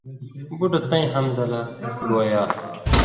بُٹہ تئیں حمدہ لہ گویا